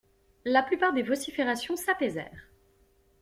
La plupart des vociférations s'apaisèrent.